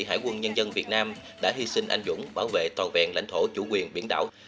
hải quân nhân dân việt nam đã hy sinh anh dũng bảo vệ toàn vẹn lãnh thổ chủ quyền biển đảo